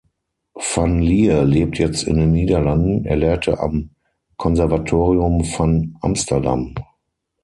Van Lier lebt jetzt in den Niederlanden; er lehrte am Conservatorium van Amsterdam.